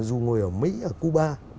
dù ngồi ở mỹ ở cuba